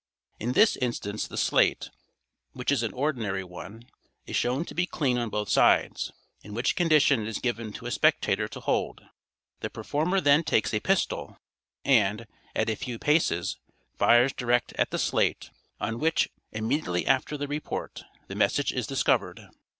—In this instance the slate, which is an ordinary one, is shown to be clean on both sides, in which condition it is given to a spectator to hold. The performer then takes a pistol and, at a few paces, fires direct at the slate, on which, immediately after the report, the message is discovered.